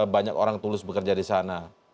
banyak orang tulus bekerja di sana